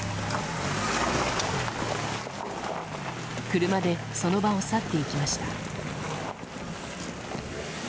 車で、その場を去っていきました。